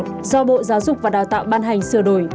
do bộ giáo dục và đào tạo ban hành sửa đổi